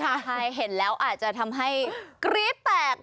ปลอดภัยเห็นแล้วอาจจะทำให้กริ๊บแตก